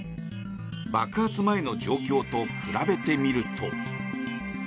爆発前の状況と比べてみると。